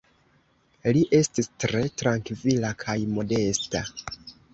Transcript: Li estis tre trankvila kaj modesta.